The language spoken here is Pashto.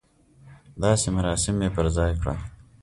داسې مراسم یې پر ځای کړل.